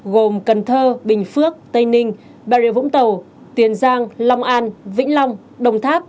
gồm cần thơ bình phước tây ninh bà rịa vũng tàu tiền giang long an vĩnh long đồng tháp